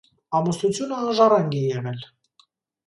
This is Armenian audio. Ամուսնությունը անժառանգ է եղել։